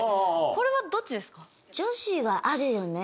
これはどっちですか？